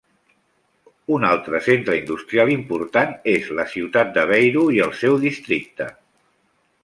Un altre centre industrial important és la ciutat d'Aveiro i el seu districte.